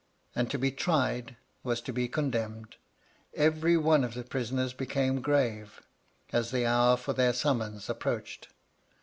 And to be tried was to be condemned. Every one of the prisoners became grave, as the hour for their summons approached.